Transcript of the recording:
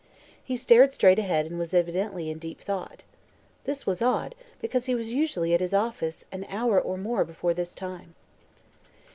He stared straight ahead and was evidently in deep thought. This was odd, because he was usually at his office an hour or more before this time.